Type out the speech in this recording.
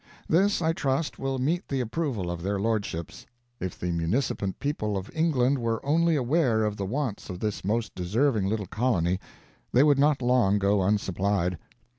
This, I trust, will meet the approval of their lordships. If the munificent people of England were only aware of the wants of this most deserving little colony, they would not long go unsupplied....